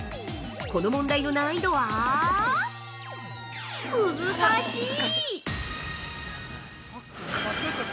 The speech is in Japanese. この問題の難易度はむずかしい。